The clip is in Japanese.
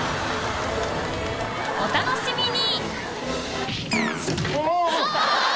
お楽しみに！